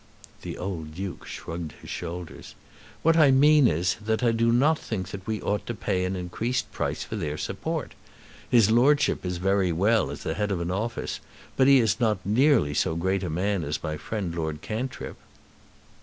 The old Duke shrugged his shoulders. "What I mean is, that I do not think that we ought to pay an increased price for their support. His lordship is very well as the Head of an Office; but he is not nearly so great a man as my friend Lord Cantrip."